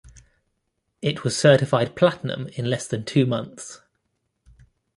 It was certified platinum in less than two months.